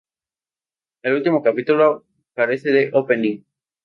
El último capítulo carece de opening.